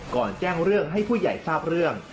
ก่อนแจ้งเรื่องให้ผู้ใหญ่ทราบเรื่อง